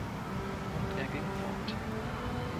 Und er ging fort.